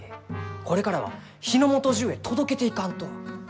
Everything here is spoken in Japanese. これからは日の本じゅうへ届けていかんと。